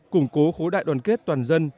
củng cố khối đại đoàn kết toàn dân